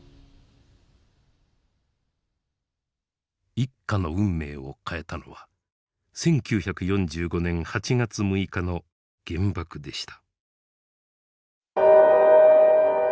一家の運命を変えたのは１９４５年８月６日の原爆でした。